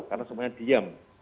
karena semuanya diam